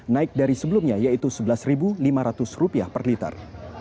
naik dari sebelumnya yaitu rp sebelas lima ratus per liter